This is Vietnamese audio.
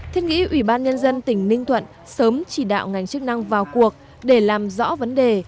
thiết nghĩ ủy ban nhân dân tỉnh ninh thuận sớm chỉ đạo ngành chức năng vào cuộc để làm rõ vấn đề